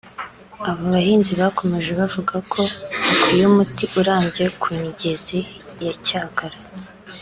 Abo bahinzi bakomeje bavuga ko hakwiye umuti urambye ku migezi ya Cyagara